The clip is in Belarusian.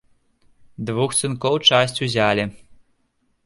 Двух сынкоў часць узялі.